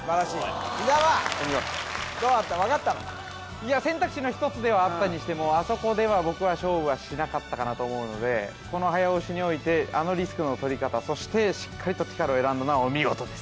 いや選択肢の一つではあったにしてもあそこでは僕は勝負はしなかったかなと思うのでこの早押しにおいてあのリスクの取り方そしてしっかりとティカルを選んだのはお見事です